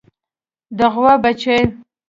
د غوا بچۍ